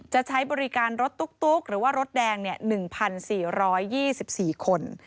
ใช้บริการรถตุ๊กหรือว่ารถแดง๑๔๒๔คน